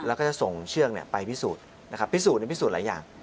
แล้วก็จะส่งเชือกไปพิสูจน์นะครับพิสูจนพิสูจนหลายอย่าง